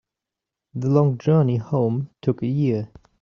The long journey home took a year.